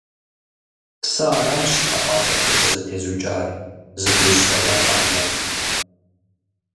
Сэ аращ хьэпӀацӀэхэр щӀызэтезукӀар, зытӀущ фӀэкӀа къэмынэу.